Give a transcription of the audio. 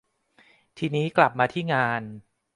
ที่นี้กลับมาที่งาน